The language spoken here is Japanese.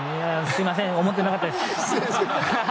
すみません思ってなかったです。